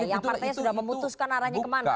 yang partainya sudah memutuskan arahnya kemana